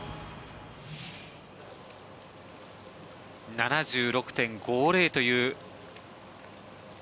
７６．５０という。